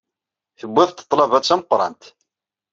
Tuwyeḍ-d ḍḍlaba d tameqrant.